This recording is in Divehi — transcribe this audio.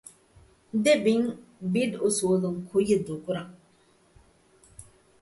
ދެ ބިން ބިޑް އުސޫލުން ކުއްޔަށް ދޫކުރުން